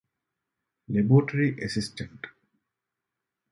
ލެބޯރެޓަރީ އެސިސްޓަންޓް